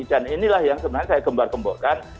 dan inilah yang sebenarnya saya gembar gemburkan